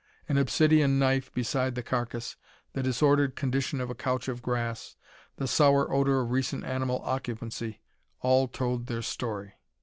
An obsidion knife beside the carcass, the disordered condition of a couch of grass, the sour odor of recent animal occupancy, all told their story.